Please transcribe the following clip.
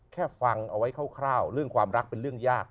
ฟังเอาไว้คร่าวเรื่องความรักเป็นเรื่องยาก